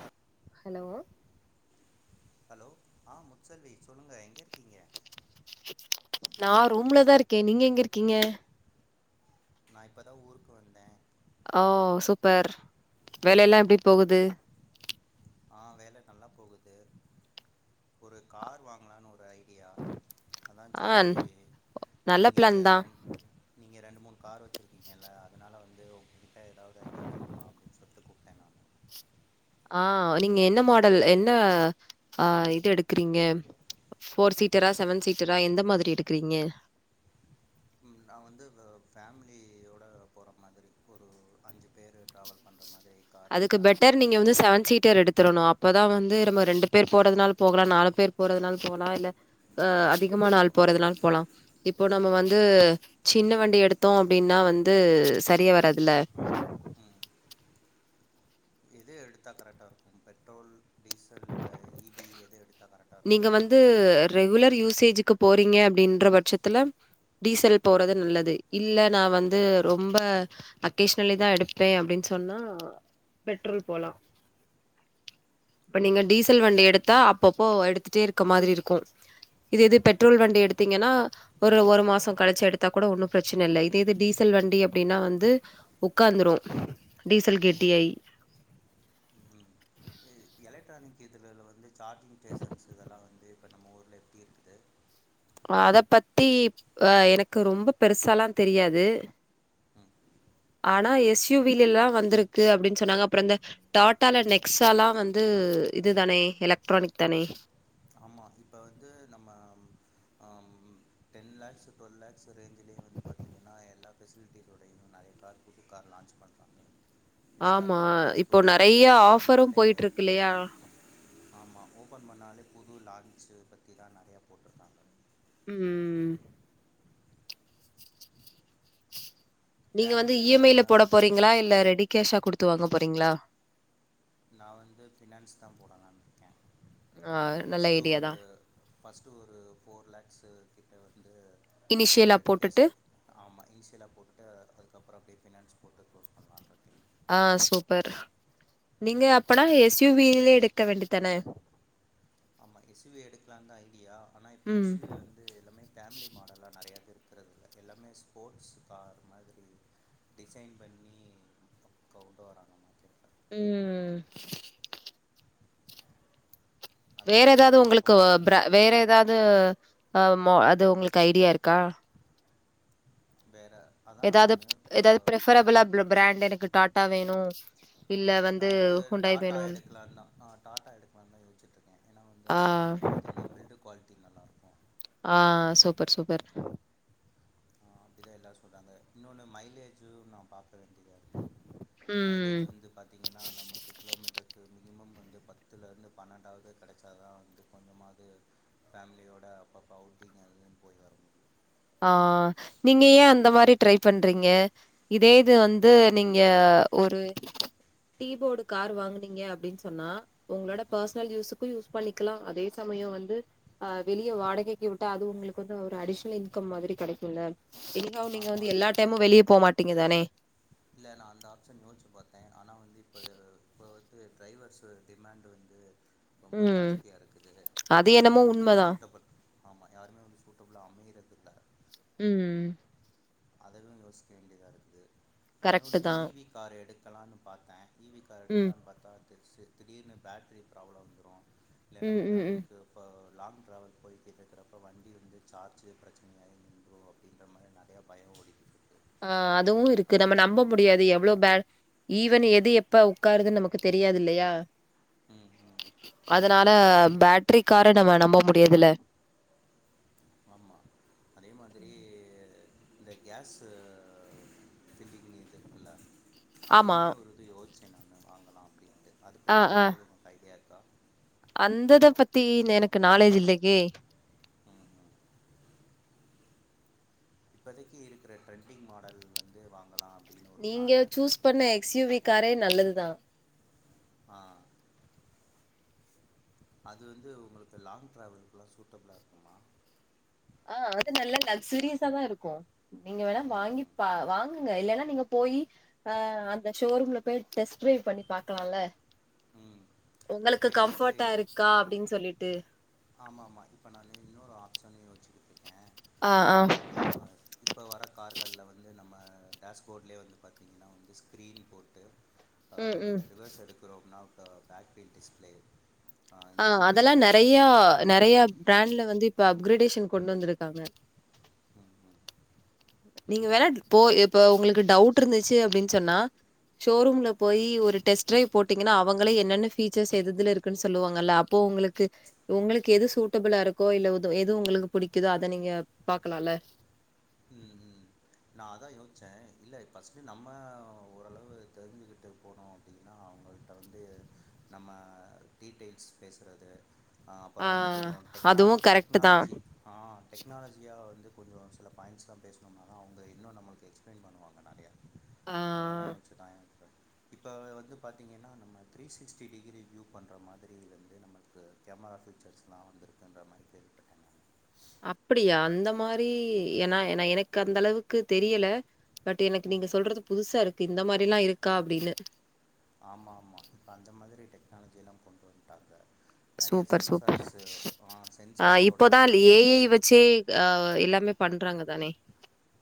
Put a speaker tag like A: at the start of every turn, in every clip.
A: ஹ
B: hello
A: hello ஆ முத்செல்வி சொல்லுங்க எங்க இருக்கீங்க
B: நா ரூம்ல தா இருக்கே நீங்க எங்க இருக்கீங்க
A: நா இப்ப தா ஊருக்கு வந்தே
B: ஓ சூப்பர் வேலை எல்லா எப்டி போகுது
A: ஆ வேல நல்லா போகுது ஒரு கார் வாங்லான் ஒரு ஐ டியா அதா
B: ஆ
A: சேரி
B: நல்ல
A: நீங்க
B: பிளான் தா
A: ரென் நீங்க ரெண்டு, மூண் கார் வெச்சிருக்கீங்கல்ல அதனால வந்து உங்க்கிட்ட எதாவது ஐடியா கேக்கலா அப்டின் சொல் ட்டு கூப்ட்டே நானு
B: ஆ நீங்க என்ன மாடல் என்ன ஆ இது எடுக்கறீங்க ஃபோர் சீட்டரா, செவன் சீட்டரா எந்த மாதிரி எடுக்றீங்க
A: ம நா வந்து வ ஃபேம்லியோட போற மாதிரி ஒரு அஞ்சு பேரு ட்ராவல் பண்றா மா
B: அதுக்கு பெட்டர் நீங்க வந்து செவன் சீட்டர் எடுத்திரனு அப்ப தா வந்து நம்ம ரெண்டு பேர் போறதுனால் போகலா நாலு பேர் போறதுனால் போகலா இல்ல அ அதிகமான ஆள் போறதுனால் போலா இப் போ நம்ம வந்து சின்ன வண்டி எடுத்தோ அப்டின்னா வந்து சரியா வராதுல்ல
A: ம் எது எடுத்தா கரக்ட்டா இருக்கு பெட்ரோல் டீசல் இல்ல ஈ வி எது எடுத்தா கரக்ட்டா இருக்கு நெனைக்கறீங்க?
B: க்க போறீங்க அப்டின்ற பட்சத்துல டீசல் போறது நல்லது இல்ல நா வந்து ரொம்ப அகேஷ்னலி தா எடுப்பே அப்டின் சொன்னா பெட்ரோல் போலா இப்ப நீங்க
A: ஓ
B: டீசல்
A: சரி
B: வண்டி எடுத்தா அப்பப்போ எடுத்துட்டே இருக்க மாதுரி இருக்கு இது எது பெட்ரோல் வண்டி எடுத்தீங்கனா ஒரு ஒரு மாசம் கழிச்சி எடுத்தா கூட ஒன்னும் பிரச்சின இல்ல இது எது டீசல் வண்டி அப்டின்னா வந்து உக்காந்துரும் டீசல் கெட்டியாய்
A: [unintelligible] எலக்ட்ரானிக் இதில் ல வந்து சார்ஜிங் ஸ்டேஷன்ஸ் இதல்லா வந்து நம்ம ஊர்ல எப்டி இருக்குது
B: அத பத்தி அ எனக்கு ரொம்ப பெருசாலா தெரியாது
A: ம்
B: ஆனா எஸ்யுவில எல்லா வந்துருக்கு அப்டின்னு சொன்னாங்க அப்றோ இந்த டாடால நெக்ஸால்லா வந்து இது தானே எலக்ட்ரானிக் தானே
A: ஆமா இப்ப வந்து நம்ம அம் டென் லாக்ஸ் டுவெல் லாக்ஸ் ரேஞ்சி எல்லா ஃபெசிலிட்டிஸோடையு நறைய கார் புது கார் லான்ச் பண்ணுறாங்க
B: ஆமா இப்போ நறைய
A: ஓப்பன்
B: ஆஃபரு
A: பண்ணாலே
B: போயிட்ருக் இல்லயா
A: ஆமா ஓப்பன் பண்ணாலே புது லான்ச்சு பத்தி தா நறையா போட்ருக்காங்க
B: ம் நீங்க வந்து
A: ஃபேமிலி கார்
B: இஎம்ஐல போட போறீங்களா இல்ல ரெடி கேஷா குடுத்து வாங்க போறீங்ளா
A: நான் வந்து ஃபினான்ஸ் தா போடலான்ருக்கே
B: ஆ நல்ல
A: ஃபஸ்ட்டு
B: ஐடியா
A: ஒரு
B: தான்
A: ஃபஸ்ட்டு ஒரு ஃபோர் லேக்ஸ் வந்து ஆ
B: இனிஷியலா
A: ரெடி கேஷ்
B: போட்டுட்டு
A: போட்டு ஆமா இன்ஷியலா போட்டு அதுக்கப்பறோ அப்டியே ஃபினான்ஸ் போட்டு க்ளோஸ் பண்ணலான்னு இருக்கேன்
B: ஆ சூப்பர் நீங்க அப்பனா எஸ்யுவிலே எடுக்க வேண்டி தான
A: ஆமா எஸ்யுவி எடுக்லாம்னு தான் ஐடியா ஆனா இப்ப
B: ம்
A: எஸ்யுவி வந்து எல்லாமே ஃபேமிலி மாடல்லா நறையாக இருக்கு இருக்றதில்ல எல்லாமே ஸ்போட்ஸ் கார் மாத்ரி டிசைன் பண்ணி கொண்டு வராங்க
B: ம்
A: அதான்
B: வேற
A: எனக்கு
B: எதாவ்து
A: ஒரே
B: உங்குளுக்கு
A: குழப்பமா
B: பிர
A: இருக்குது
B: வேற எதாது அ அது ஒங்ளுக் ஐடியா இருக்கா
A: வேறு அதான்
B: எதாது
A: நான் இப்போ
B: எதாது ப்ரஃப்ரபுளா பிரா பிராண்ட் எனக்கு டாடா வேணு இல்ல
A: நா வந்து
B: ஹுண்டாய்
A: டாடா
B: வேணு
A: எடுக்கலா டாடா எடுக்கலாம்னு தா யோச்ச எனக்கு ஏன்னால் வந்து
B: ஆ
A: அதுதா வந்து பாத்தீங்னா பில்டு குவாலிட்டி நல்லாருக்கு
B: ஆ சூப்பர் சூப்பர்
A: அப்டிதா எல்லாரு சொலிறாங்க இன்னொன்று மைலேஜும் நா பாப்பே வேண்டியதா இருக்கு மைலேஜ்
B: ம்
A: வந்து பாாரத்தீங்கன்னா நமக்கு கிலோமீட்டருக்கு மினிமம் வந்து பத்துலருந்து பன்னெண்டாவது கிடைச்சா தா வந்து கொஞ்சமாவது ஃமிலியோட அப்பப்ப அவுட்டிங்கு போய் வர முடியு
B: ஆ நீங்க ஏ அந்த மாரி ட்ரை பண்றீங்க இதே இது வந்து நீங்க ஒரு டீபோர்டு கார் வாங்குனீங்க அப்டின்னு சொன்னா உங்களோட
A: ம்
B: பர்சனல் யூஸுக்கு யூஸ் பண்ணிக்கலா அதே சமயம் வந்து வெளிய வாடகைக்கு விட்ட அது உங்ளுக்கு வந்து ஒரு அடிஷ்னல் இன் கம் மாதுரி கடைக்கும்ல இங்காவும் நீங்க
A: ஆமாம்
B: வந்து எல்லா டைமும் வெளியே போகமாட்டீங்க தானே
A: இல்ல நா அந்த ஆப்ஷன் யோச்சு பாத்தே ஆனா வந் இப்போ வந்து டிரைவர்ஸ் டிமாண்ட் வந்து ரொம்ப
B: ம்
A: ஜாஸ்தியா இருக்குது
B: அது
A: யாருமே
B: என்னமோ
A: வந்து
B: உண்மதா
A: சூட்டபிள் ஆமா யாருமே வந்து சூட்டபிளா அமைகிறது
B: ம்
A: அதவுயோசிக்க வேண்டியதா இருக்குது
B: கரெக்ட்டு
A: இன்னோன்னு
B: தா
A: வி கார் எடுக்கலான் பாத்தே ஈவி கார்
B: ம்
A: எடுக்கலான்னு பாத்தா த திடீர்னு பேட்ரி ப்ராப்ளம் வந்துடு இல்ல
B: ம்
A: நம்ம
B: ம் ம்
A: எதாதுக்கு இப்ப லாங் டிரராாவல் போய் கேட்டு இருக்கிறப்ப வண்டி வந்து சார்ஜு பிரச்சனையாக ந அப்டின்ற மாத்ரி நறைய
B: அ அதுவு இருக்கு நம்ம
A: அதனால்
B: நம்ப முடியாது எவ்ளோ பே ஈவன் எது எப்பா உக்காருதுன் நமக்கு தெரியாது இல்லயா
A: ம் ம்
B: அதனால பேட்டரி கார நம்ம நம்ப முடியதுல
A: ஆமா அதே மாதுரி இந்த கேஸ் திண்டிக்கணி தெக்குல
B: ஆமா
A: அதுமே ஒரு இது யோஸ் வாங்கலா அப்டின்டு அதது
B: ஆ
A: பத்தி
B: ஆ
A: எதாது உனக் ஐடியா இருக்
B: அந்தத பத்தி எனக்கு நாலேஜ் இல்ல கே
A: ம் ம் இப்போதக்கி இருக்குற ட்ரெண்டிங் மாடல் வந்து வாங்கலா அப்டின்னு ஒரு
B: நீங்க
A: பிளானு
B: சூஸ் பண்ண எக்ஸ்யுவி காரே நல்லதுதா
A: ஆ அது வந்து உங்களுக்கு லாங் ட்ராவலுக்குலா சூட்டபுளா இருக்குமா
B: ஆ அது நல்லா லக்சூரியஸா தா இருக்கு நீங்க வேணா
A: ம்
B: வாங்கி
A: ம்
B: பா வாங்குங்க இல்லன்னா நீங்க போயி அ அந்த ஷோரூம்ல போய் டெஸ்ட் ட்ரைவ் பண்ணி பாக்கலால்ல
A: ம்
B: உங்களுக்கு
A: இப்போ
B: கம்ஃபோட்டா இருக்கா அப்டின் சொல்லிட்டு
A: ஆமா ஆமா இப்ப நானு இன்னொரு ஆப்ஷனேய வச்சு ர்க்கே ஆ இப்போ வர கார்கள்ல வந்து நம்ம டேஷ்போட்லயே வந்து பாத்திங்கன்னா வந்து ஸ்க்ரீன் போட்டு ஆ
B: ம் ம்
A: ரிவர்ஸ் எடுக்குறோம்னா ஆ பேட்ரி டிஸ்ப்ளே
B: ஆ அதெல்லா நறையா நறையா ப்ராண்ட்ல வந்து இப்ப அப்க்ரடேஷன் கொண்டு வந்துருக்காங்க
A: ம் ம்
B: நீங்க வேணா போ இப்ப உங்களுக்கு டவுட்ருந்துச்சு அப்டின் சொன்னா ஷோரூம்ல போயி ஒரு டெஸ்ட் ட்ரைவ் போட்டீங்கன்னா அவங்களே என்னென்ன ஃபீச்சர்ஸ் எதுதுல இருக்குன் சொல்லுவாங்கல்ல அப்போ போ உங்களுக்கு உங்களுக்கு எது சூட்டபுளா இருக்கோ இல்ல து எது உங்களுக்கு புடிக்கிதோ அத நீங்க பாக்கலால்ல
A: ம் நா அதா யோச்ச இல்ல ஃபஸ்ட்டு நம்ம ஓரளவு தெரிஞ்சிக்கிட்டு போனோ அப்டின்னா அவ்ங்கள்ட்ட வந்து நம்ம டீட்டெயில்ஸ் பேசுறது ஆ அப்பறொ வந்து கொஞ்சொ டெக்னால்
B: அதுவும் கரெக்ட் தான்.
A: டெக்னாலஜி ஆ டெக்னாலஜியா வந்து கொஞ்சொ சில பாயிண்ஸ்லா பேசணோம்னாதா அவங்க இன்னு நம்மளுக்கு எக்ஸ்ப்ளைன் பண்ணுவாங்க நறைய
B: ஆ
A: அதெல்லா யோச்சு [unintelligible] இப்பத வந்து பாத்தீங்கன்னா நம்ம த்ரீ சிக்ஸ்டி டிகிரி வ்யூ பண்ற மாதிரி இதுல வந்து நமக்கு கேமரா ஃபீ ச்சர்ஸ்லா வந்துருக்குன்ற மாரி கேள்விப்பட்ட நானு
B: அப்டியா அந்த மாரி ஏன்னா என எனக்கு அந்தளவுக்கு தெரியல பட் எனக்கு
A: ம்
B: நீங்க சொல்றது புதுசா இருக்கு இந்த மாதுரி எல்லா இருக்கா அப்டின்னு
A: ஆமா ஆமா இப்ப அந்த மாதுரி டெக்னாலஜி எல்லா கொண்டு வந்துட்டாங்க நறைய சென்சார்ஸு
B: அ இப்போதா
A: சென்சார்ஸோடலாம் கொண்டு
B: ஏ ஏ
A: வந்துட்டாங்க.
B: வச்சே அ எல்லாமே பண்றாங்க தானே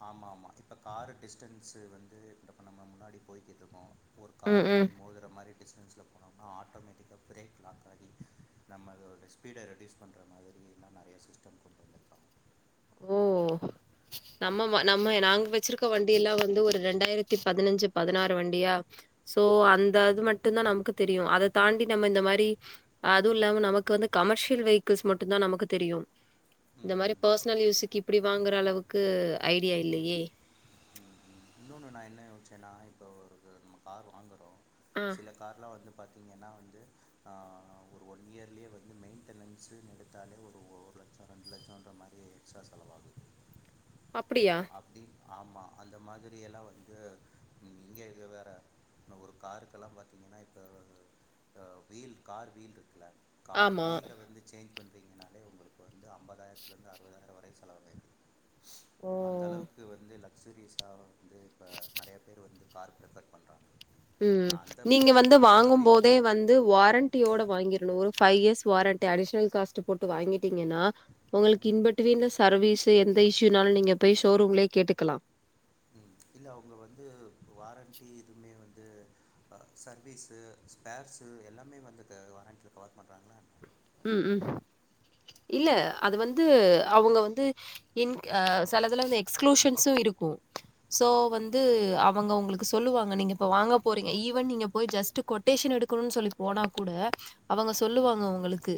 A: ஆமா ஆமா இப்ப கரு டிஸ்டன்ஸ் வந்து நம்ம முன்னாடி போய் கித்துக்கோ ஒரு
B: ம்,
A: காரில்
B: ம்.
A: போய் மோதுகிற மாதுரி டிஸ்டன்ஸில் போனோம்னா ஆட்டோமேட்டிக்காக பிரேக் லாக் ஆகி நம்ம அதோட ஸ்பீடை ரெடியூஸ் பண்ற மாதிரில்லா நறைய சிஸ்டம் கொண்டு வந்திருக்கோ
B: ஓ! நம்ம நம்ம நாங்க வச்சிருக்க வண்டி எல்லாம் வந்து ஒரு இண்டாயிரத்தி பதினஞ்சு பதினாறு வண்டியா சோ அந்த அது மட்டுந்தா நமக்கு தெரியு அத தாண்டி நம்ம இந்த மாதுரி அதுவு இல்லாம நமக்கு வந்து கமர்ஸ்சியல் வெஹிகிள் மட்டுந்தா நமக்கு தெரியு இந்த
A: ம்,
B: மாரி
A: ம்,
B: பேஸ் நல் யூஸ்க்கு இப்புடி வாங்குற அளவுக்கு ஐடியா
A: ம்.
B: இல்லயே
A: ம் ம் இன்னொன்று நா என்ன யோஸ்சேன்னா இப்போ ஒரு நம்ம கார் வாங்குகிறோ
B: ஆ.
A: சில கார்லா வந்து பார்த்திங்கன்னா வந்து ஒரு ஒன் இயர்லயே வந்து மெயின்டனன்ஸு எடுத்தாலே ஒரு ஒரு லட்சோ ரெண்டு லட்சம்ன்ற மாத்ரி எக்ஸ்ட்ராா செலவாகுது
B: அப்புடியா
A: ஆமா அந்த மாதுரி எல்லா வந்து இங்க வேற இன்ன ஒரு காருக்கெல்லா பார்த்தீங்கன்னா இப்ப வீல் கார் வீல் இருக்குல கார்
B: ஆமா.
A: வீல வந்து சேஞ் பண் னாலே உங்களுக்கு வந்து அம்பதாயிரத்திலிருந்து அறுபதாயிரம் வரை செலவ வேண் அந்த
B: ஓ!
A: அளவுக்கு வந்து லக்சரிஸா வந்து இப்போ நிறைய பேர் வந்து காருக்கு ரேஃபர் பண்ணுறாங்க
B: உம்
A: நான் அந்த
B: நீங்க வந்து
A: அந்த
B: வாங்கு
A: மாதிரியும் போ
B: போதே வந்து வாரண்டியோட வாங்கிருணு ஒரு five years warranty additional cost போட்டு வாங்கிட்டீங்கன்னா உங்களுக்கு இன் பிட்வின் சர்வீஸ் எந்த இந்த இஷயூனாலு நீங்க போய் ஷோரூம்லயே கேட்டுக்கலா
A: உம் இல்ல அவங்க வந்து வாரண்டண்டி இதுவுமே வந்து இது சர்வீஸு ஸ்பேர்ஸு எல்லாமே வந்து வாரட்டியில கவர் பண்ணுறாங்களன்
B: உம் உம் இல்ல அது வந்து அவங்க வந்து இங் சிலதுல வந்து எக்ஸ்களூசன்ஸு ம் இரு க்கும் சோ
A: ம் ம்
B: வந்து அவங்க உங்களுக்கு சொல்லுவாங்க நீங்க இப்போ வாங்க போறீங்க ஈவன் நீங்க போய் ஜஸ் கொட்டேஷன் எடுக்கணும்னு சொல்லி போனா கூட அவங்க
A: ம்
B: சொல்லுவாங்க
A: ம்
B: உங்களுக்கு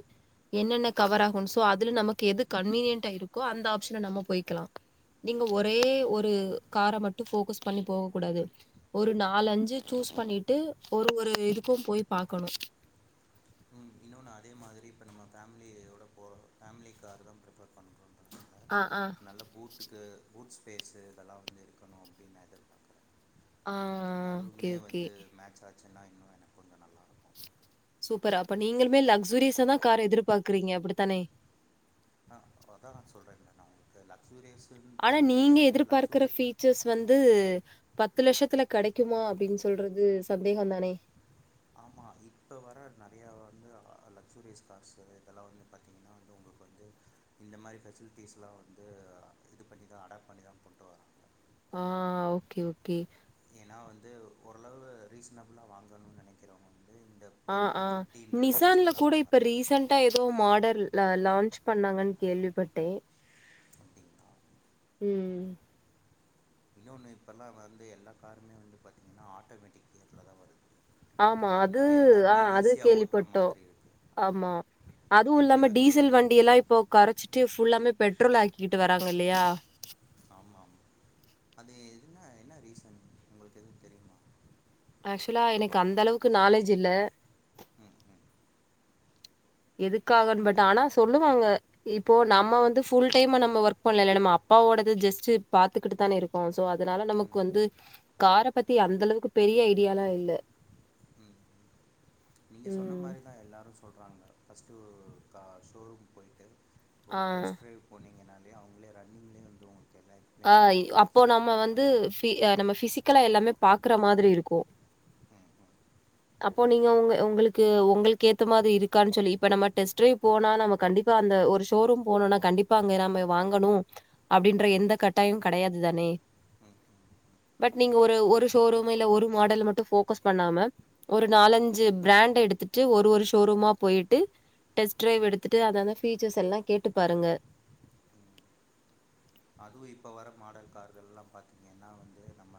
B: என்னென்ன கவர் ஆகும் சோ அதுல நமக்கு எது கன்வீனியன்டா இருக்கோ அந்த ஆப்ஷன்ல நம்ம போய்கலா நீங்க
A: ம்
B: ஒரே ஒரு கார மட்டு போக்கஸ் பண்ணி போக கூடாது ஒரு
A: ம்
B: நாலஞ்சு சூஸ் ஸ் பண்ணிட்டு ஒரு ஒரு இதுக்கு போய் பாக்கணு
A: ம் இன்னு நா அதே மாதிரி இப்போ நம்ம ஃபேமிலியோட போற ஃபேமிலி கார் தா ப்ரிஃபர் பண்ணறோ ப
B: ஆ ஆ
A: நல்ல பூட்டுக்கு பூட்ஸ் பேஸு இதெல்லா வந்து இருக்கணு அப்படின் நா எதிர்பார்க்கறே
B: ஆ ஓகே
A: அதுவுமே
B: ஓகே
A: வந்து மேட்ச ஆச்சுன்னா இன்னு எனக்கு கொஞ்ச நல்லா இருக்கு
B: பரா அப்ப நீங்களுமே லக்ஸ்சுரியஸ தா கார் எதிர்பாக்குறீங்க அப்படித்தானே
A: ஆ அதா நா சொல்றேங்களன் நா உங்களுக்கு லக்ஸூரியஸுன்ற
B: ஆனா
A: மாதிரி
B: நீங்க
A: யோசிக்கலை
B: எதிர்பார்க்கற
A: லக்ஸூரியஸ்
B: பபீச்சர்ஸ் வந்து பத்து லட்சத்துல கிடைக்குமா அப்படின்னு சொல்றது சந்தேகம் தானே
A: ஆமா இப்போ வர நிறையா வந்து லக்ஸ்சூரியஸ் கார்ஸு இதெல்லா வந்து பார்த்தீங்கன்னா வந்து உங்களுக்கு வந்து இந்த மாதிரி ஃபெசிலிட்டிஸ்லா வந்து இது பண்ணிதா அடாப்ட் பண்ணிதா போட்டுட்டு வராங்க
B: ஆ ஓகே ஓகே
A: ஏன்னா வந்து ஓரளவு ரீசனபிளா வாங்கணும்னு நினைக்கிறவங்க இந்த
B: ஆ
A: டென் டு
B: ஆ
A: ஃபிஃப்டின்ற
B: நிசான்ல
A: ரேஞ்சில் தான்
B: கூட இப்ப
A: வாங்குறாங்க
B: ரீசென்டா ஏதோ மாடல் லா லான்ச் பண்ணாங்கன்னு கேள்விப்பட்டே
A: அப்படின்னா
B: உம்
A: இன்னொன்னு இப்பெல்லா வந்து எல்லா காருமே வந்து பாத்தீங்கன்னா ஆட்டோமேட்டிக்துலதா வருது
B: ஆமா அது
A: அதனால
B: ஆ
A: எல்லாருமே
B: அது
A: ஈஸியாக ஓட்டுற
B: கேள்விப்பட்டோ
A: மாதிரி இருக்கு
B: ஆமா அதுவு
A: எப்படி
B: இல்லாம
A: வந்து
B: டீசல் வண்டி எல்லா இப்ப கரைச்சிட்டு ஃபுல்லாம பெட்ரோல் ஆக்கிட்டு வரங் களையா
A: ஆமா ஆமா அது எதுன என்ன ரீசன் உங்களுக்கு எது தெரியுமா
B: ஆக்சுவலா எனக்கு அந்த அளவுக்கு நாலேஜ் இல்ல
A: ம் ம்
B: எதுக்காகு பட் ஆனா சொல்லுவாங்க இப்போ நம்ம வந்து பூல் டைம்மா நம்ம ஒர்க் பண்லல நம்ம அப்பாவோட ஜஸ்ட் பாத்துக்கிட்டு தானே இருக்போ சோ அதனால நமக்கு
A: ம்
B: வந்து
A: ம்
B: கார பத்தி அந்த அளவுக்கு பெ ரிய ஐடியாலா இல்ல
A: உம் நீங்க சொன்ன
B: ம்
A: மாதிரி தா எல்லாரு சொல்றாங்க ஃபர்ஸ்ட்டு கா ஷோரூம் போயிட்டு
B: ஆ
A: ஒரு டெஸ்ட் டிரரைவ் போனீங்கனாலே அவங்களே ரன்னிங்லே வந்து உங்களுக்கு என்ன
B: ஆ அப்போ நம்ம வந்து நம்ம பிசிக்கலா எல்லாமே பாக்குற மாதிரி இருக்கு
A: ம் ம்
B: அப்போ நீங்க உங்க உங்களுக்கு உங்களுக்கு ஏத்த மாதிரி இருக்கான்னு சொல்லி இப்ப நம்ம டெஸ்ட் டிரைவ் போனா நம்ம கண்டிப்பா அந்த ஒரு ஷோரூ போனும்னா கண்டிப்பா அங்க நாம வாங்கணு
A: ம்
B: அப்படின்ற
A: ம்
B: எந்த கட் டாயம் கிடையாது தானே
A: ம்
B: பட் நீங்க ஒரு ஒரு ஷோரூம் இல்ல ஒரு மாடல் மட்டு ஃபோக்கஸ் பண்ணாம ஒரு
A: ம்
B: நாலஞ்சு ப்ராண்ட் எடுத்துட்டு ஒரு ஒரு ஷோரூமா போயிட்டு டெஸ்ட் டிரைவ்
A: ம்
B: எடுத்துட்டு அதஅத ஃபீச்சர்ஸ் எல்லா கேட்டு பாருங்க
A: உம் அதுவு இப்ப வர மாடல் கார்கள் எல்லா பாத்தீங்கன்னா வந்து நம்ம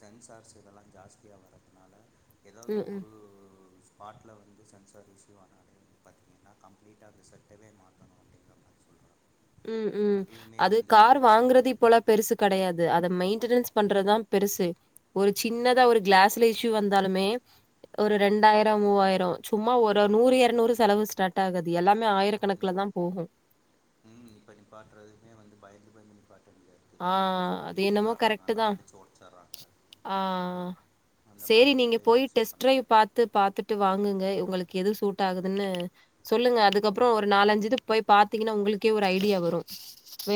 A: சென்சார் செ இதெல்லா ஜாஸ்தியாக வரதுனால ஏதாவது
B: ம், ம்.
A: ஒரு ஸ்பாட்ல வந்து சென்சார் இஸ்யூ ஆனா பாத்தீங்கன்னா கம்ப்ளீட்டா அந்த செட்டவே மாத்தணு அப்டிங்கிற மாறி சொல்றாங்க
B: உம் அது கார் வாங்குறது
A: தோணிக்கிட்டு
B: இப்போலா
A: இருக்கு
B: பெருசு கெடயாது அத மெயின்டெனன்ஸ் பண்றதுதா பெருசு ஒரு சின்னதா ஒரு க்ளாஸ்ல இஸ்யூ வந்தாலுமே ஒரு ரெண்டாயிரோ மூவாயிரோ சும்மா ஒரு நூறு எரநூறு செலவு ஸ்டார்ட் ஆகாது எல்லாமே ஆயிரக்கணக்குல தா தா போகு
A: உம் இப்ப நிப்பாட்டுறதுமே வந்து பயந்து பயந்து நிப்பா
B: ஆஹ் அது என்னமோ கரெக்ட் தா
A: அடித்து உடச்சிட்றாங்க
B: ஆஹ்
A: அந்த
B: சேரி
A: மாதிரி
B: நீங்க
A: எல்லாம்
B: போய்
A: யோசிச்சு இது
B: டெஸ்ட்
A: பண்ண முடியாது
B: ட்ரைவ் பாத்து பாத்துட் வாங்குங்க உங்களுக்கு எது சூட் ஆகுதுன்னு சொல்லுங்க அதுக்கப்பறோ ஒரு நாலஞ்சு இது போய் பாத்தீங்கன்னா உங்க ங்களுக்கே ஒரு ஐடியா வரு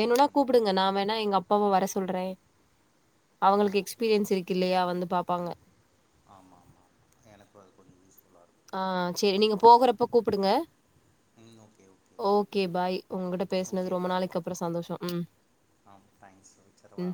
A: ம் ம் ம்
B: கூப்புடுங்க நா வேணா ன்ன எங்க அப்பாவ வர சொல்ற
A: ஆ
B: அவுங்களுக்கு
A: ஓகே
B: எக்ஸ்பீரியன்ஸ் இருக்கு இல்லையா வந்து பாப்பாங்க
A: ஆமா ஆமா ஆ எனக்கு அது கொஞ்
B: ஆஹ் சேரி நீங்க போகறப்ப கூப்புடுங்க
A: ம் ஓகே
B: ஓகே பாய் உங்கட்ட
A: ஓகே
B: பேசினது ரொம்ப
A: பாய்
B: நாளைக்கு அப்றோ சந்தோஷோ உம்
A: ஆ தேங்க்ஸ் வச்சரவா